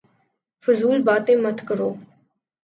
فضول باتیں مت کرو